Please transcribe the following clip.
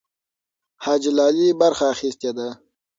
حاجي لالي برخه اخیستې ده.